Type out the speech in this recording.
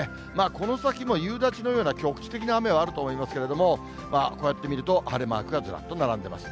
この先も夕立のような局地的な雨はあると思いますけれども、こうやって見ると、晴れマークがずらっと並んでます。